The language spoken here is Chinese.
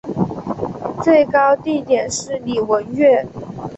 最高地点是礼文岳。